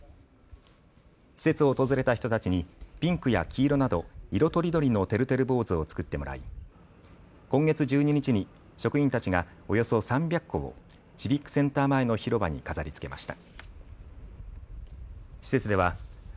施設を訪れた人たちにピンクや黄色など色とりどりのてるてる坊主を作ってもらい今月１２日に職員たちがおよそ３００個をシビックセンター前の広場に飾りつけました。